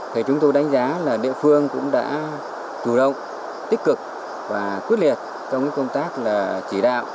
thì chúng tôi đánh giá là địa phương cũng đã chủ động tích cực và quyết liệt trong công tác là chỉ đạo